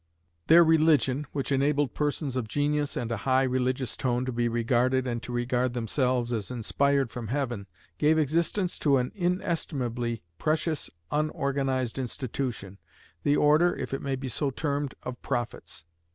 Their religion, which enabled persons of genius and a high religious tone to be regarded and to regard themselves as inspired from heaven, gave existence to an inestimably precious unorganized institution the Order (if it may be so termed) of Prophets.